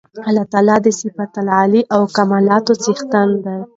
الله تعالی د صفات العُلی او کمالاتو څښتن دی